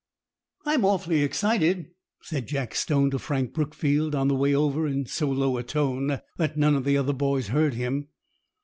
"I'm awfully excited," said Jack Stone to Frank Brookfield on the way over, in so low a tone that none of the other boys heard him.